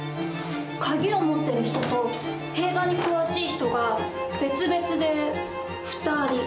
鍵を持ってる人と映画に詳しい人が別々で２人。